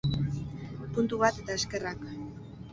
Puntu bat eta eskerrak!